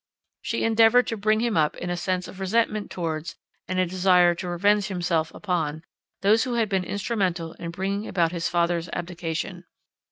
She endeavoured to bring him up in a sense of resentment towards, and a desire to revenge himself upon, those who had been instrumental in bringing about his father's abdication.